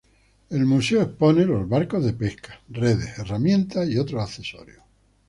El museo expone sus los barcos de pesca, redes, herramientas y otros accesorios.